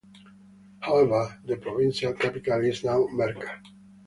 However, the provincial capital is now Merca.